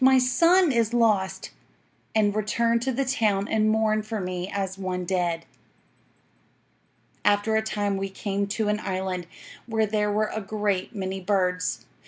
My son is lost!" and returned to the town and mourned for me as one dead. "'After a time we came to an island, where there were a great many birds.